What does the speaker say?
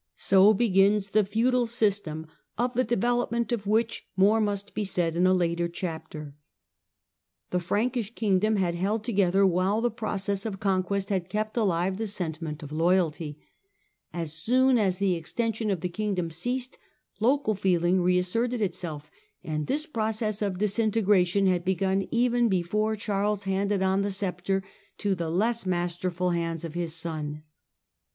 So begins the feudal system, of the development of which more must be said in a later chapter. The Frankish kingdom had held together while the process of conquest had kept alive the sentiment of loyalty ; as soon as the extension of the kingdom ceased, local feeling reasserted itself, and this process of disintegration had begun even before Charles handed on the sceptre to the less masterful hands of his son.